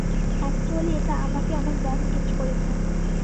Actually এটা আমাকে আমার মম গিফট করেছেন।